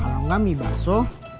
kalau nggak mie bakso